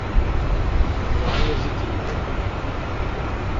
Ḥemmleɣ ayaziḍ yewwan.